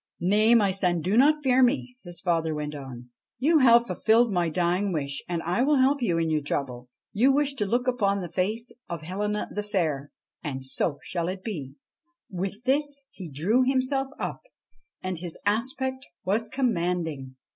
' Nay, my son, do not fear me,' his father went on. ' You have fulfilled my dying wish, and I will help you in your trouble. You wish to look upon the face of Helena the Fair, and so it shall be.' With this he drew himself up, and his aspect was commanding.